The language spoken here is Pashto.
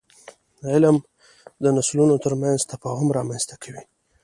علم د نسلونو ترمنځ تفاهم رامنځته کوي.